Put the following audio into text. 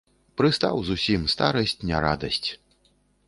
Прыстаў зусім, старасць не радасць.